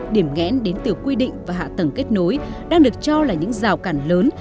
điểm nghẽn đến từ quy định và hạ tầng kết nối đang được cho là những rào cản lớn